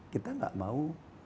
kita gak mau